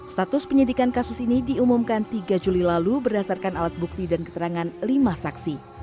status penyidikan kasus ini diumumkan tiga juli lalu berdasarkan alat bukti dan keterangan lima saksi